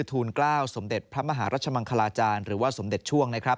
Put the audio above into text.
ทูลเกล้าสมเด็จพระมหารัชมังคลาจารย์หรือว่าสมเด็จช่วง